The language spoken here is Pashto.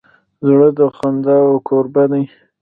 زړه د خنداوو کوربه دی.